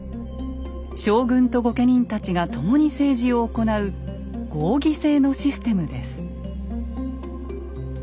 将軍と御家人たちが共に政治を行う合議制のシステムです。